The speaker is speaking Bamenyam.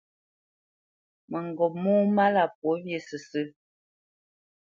Mǝŋgop mó málá pwǒ wyê sǝ́sǝ̂.